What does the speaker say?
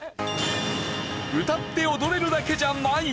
歌って踊れるだけじゃない！